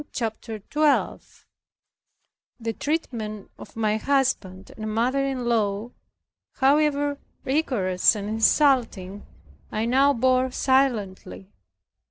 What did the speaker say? CHAPTER 12 The treatment of my husband and mother in law, however rigorous and insulting, I now bore silently.